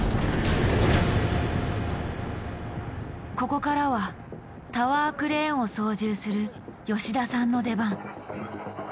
ここからはタワークレーンを操縦する吉田さんの出番。